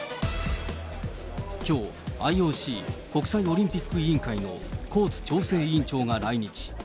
きょう、ＩＯＣ・国際オリンピック委員会のコーツ調整委員長が来日。